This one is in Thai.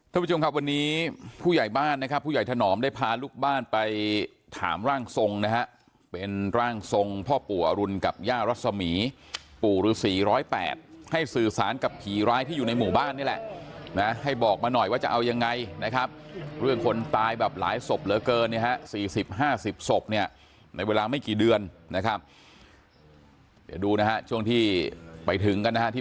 ท่านผู้ชมครับวันนี้ผู้ใหญ่บ้านนะครับผู้ใหญ่ถนอมได้พาลูกบ้านไปถามร่างทรงนะฮะเป็นร่างทรงพ่อปู่อรุณกับย่ารัศมีปู่ฤษี๑๐๘ให้สื่อสารกับผีร้ายที่อยู่ในหมู่บ้านนี่แหละนะให้บอกมาหน่อยว่าจะเอายังไงนะครับเรื่องคนตายแบบหลายศพเหลือเกินเนี่ยฮะ๔๐๕๐ศพเนี่ยในเวลาไม่กี่เดือนนะครับเดี๋ยวดูนะฮะช่วงที่ไปถึงกันนะฮะที่